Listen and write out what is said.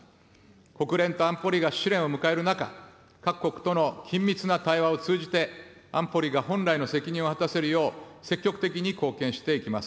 国連と安保理が試練を迎える中、各国との緊密な対話を通じて、安保理が本来の責任を果たせるよう、積極的に貢献していきます。